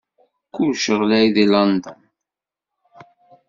Kullec ɣlay deg London.